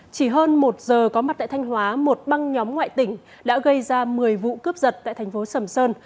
chỉ hơn một giờ có mặt tại thanh hóa một băng nhóm ngoại tỉnh đã gây ra một mươi vụ cướp giật tại thành phố sầm sơn